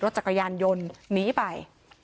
รถจากกระยานยนต์หนีไป